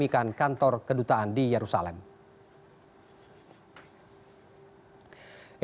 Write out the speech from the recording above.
pada hari ini pemindahan kantor kedutaan di yerusalem akan dihasilkan